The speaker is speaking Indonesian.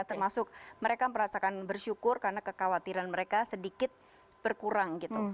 termasuk mereka merasakan bersyukur karena kekhawatiran mereka sedikit berkurang gitu